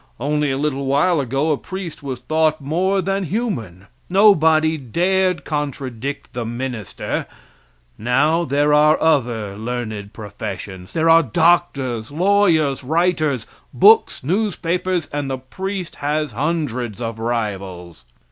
Only a little while ago a priest was thought more than human. Nobody dared contradict the minister. Now there are other learned professions. There are doctors, lawyers, writers, books, newspapers, and the priest has hundreds of rivals.